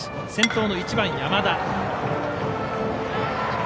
先頭の１番、山田。